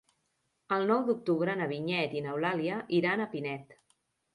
El nou d'octubre na Vinyet i n'Eulàlia iran a Pinet.